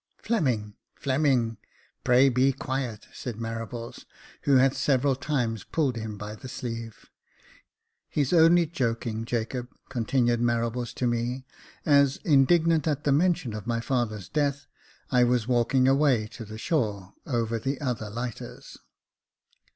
" Fleming ! Fleming ! pray be quiet !" said Marables, who had several times pulled him by the sleeve. " He's Jacob Faithful 51 only joking, Jacob," continued Marables to me, as, in dignant at the mention of my father's death, I was walking away to the shore, over the other lighters.